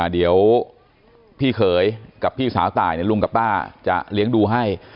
เดี๋ยวพี่เขยกับพี่สาวตายลุงกับป้าจะเลี้ยงดูให้